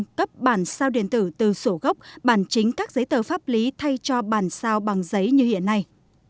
cấp bản sao điện tử từ sổ gốc bản chính các giấy tờ pháp lý thay cho bản sao bằng giấy như hiện nay